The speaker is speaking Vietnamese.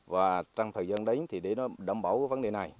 và trong thời gian đấy thì để nó đảm bảo vấn đề này